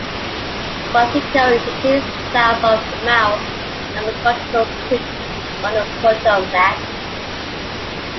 Quantico is located south of the mouth of Quantico Creek on the Potomac.